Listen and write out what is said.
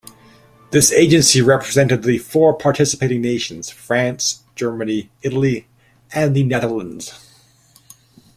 This agency represented the four participating nations: France, Germany, Italy, and the Netherlands.